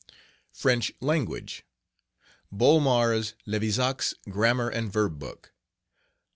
French Language...........Bolmar's Levizac's Grammar and Verb Book.